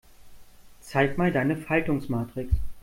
Zeig mal deine Faltungsmatrix.